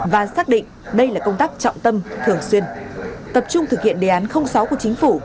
và xác định đây là công tác trọng tâm thường xuyên tập trung thực hiện đề án sáu của chính phủ